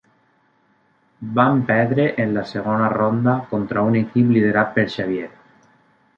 Van perdre en la segona ronda contra un equip liderat per Xavier.